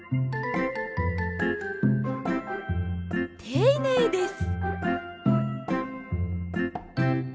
ていねいです。